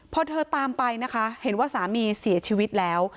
พอเธอตามไปนะคะเห็นว่าสามีเสียชีวิตแล้ว